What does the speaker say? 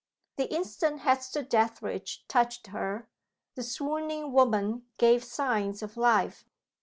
The instant Hester Dethridge touched her, the swooning woman gave signs of life.